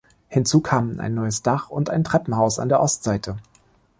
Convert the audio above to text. Hinzu kamen ein neues Dach und ein Treppenhaus an der Ostseite.